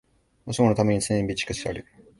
もしものために常に備蓄してある